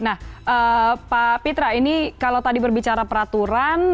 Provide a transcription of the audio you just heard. nah pak pitra ini kalau tadi berbicara peraturan